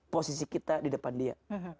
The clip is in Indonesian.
posisi kita di depan dia